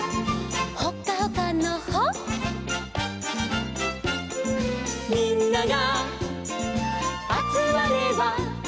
「ほっかほかのほ」「みんながあつまれば」